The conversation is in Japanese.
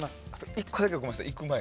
１個だけごめんなさい。